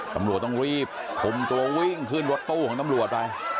ตำรวจต้องรีบคุมตัววิ่งขึ้นรถตู้ของตำรวจไป